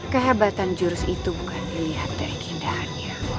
kehebatan jurus itu bukan dilihat dari keindahannya